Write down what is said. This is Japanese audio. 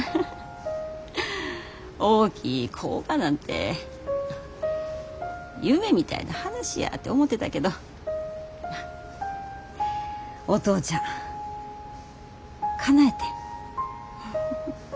大きい工場なんて夢みたいな話やて思てたけどお父ちゃんかなえてん。